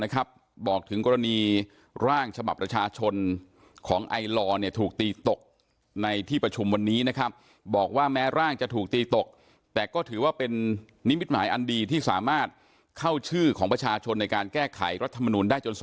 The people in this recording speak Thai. ก็คงไม่ต่างความเกินได้